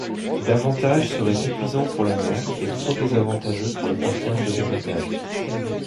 Davantage serait épuisant pour la mère et trop désavantageux pour le partage de l'héritage.